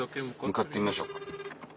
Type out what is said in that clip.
向かってみましょうか。